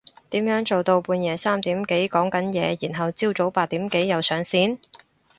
點樣做到半夜三點幾講緊嘢然後朝早八點幾又上線？